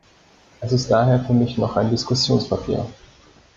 Es ist daher für mich noch ein Diskussionspapier.